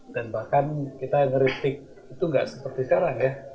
dan bahkan kita ngeritik itu tidak seperti sekarang ya